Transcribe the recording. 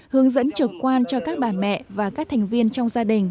hướng dẫn trực quan cho các bà mẹ và các thành viên trong gia đình